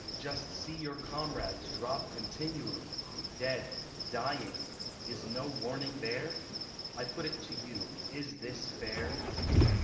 Just see Your comrades drop continually, Dead, dying: is no warning there? I put it to you, is this fair?